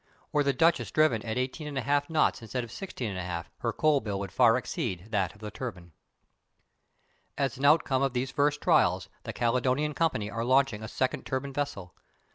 Were the Duchess driven at 18 1/2 knots instead of 16 1/2 her coal bill would far exceed that of the turbine. As an outcome of these first trials the Caledonian Company are launching a second turbine vessel.